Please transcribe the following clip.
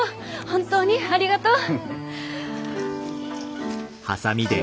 本当にありがとう！